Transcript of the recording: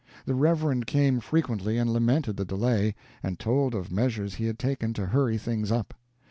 The Reverend came frequently and lamented the delay, and told of measures he had taken to hurry things up.